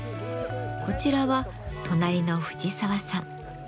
こちらは隣の藤沢さん。